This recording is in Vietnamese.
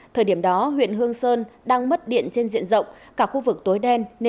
thời điểm đó huyện hương sơn đang mất điện trên diện rộng cả khu vực tối đen